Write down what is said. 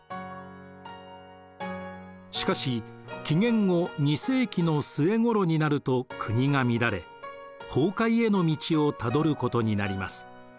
しかし紀元後２世紀の末頃になると国が乱れ崩壊への道をたどることになります。